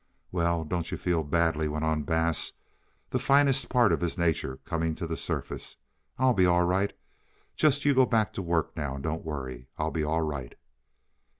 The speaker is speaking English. "Well, don't you feel badly," went on Bass, the finest part of his nature coming to the surface. "I'll be all right. Just you go back to work now, and don't worry. I'll be all right."